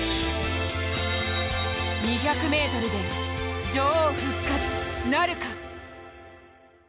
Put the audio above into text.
２００ｍで女王復活なるか。